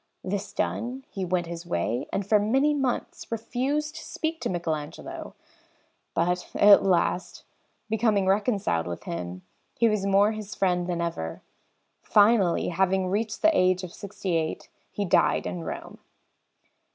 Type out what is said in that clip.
This done, he went his way and for many months refused to speak to Michelagnolo; but at last, becoming reconciled with him, he was more his friend than ever. Finally, having reached the age of sixty eight, he died in Rome.